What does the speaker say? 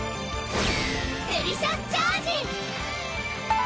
デリシャスチャージ！